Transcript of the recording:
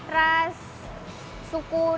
ras suku dan lain lain